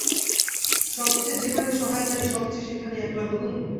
সব চেয়ে যেখানে সহায় চাই সব চেয়ে সেখানেই একলা হলুম।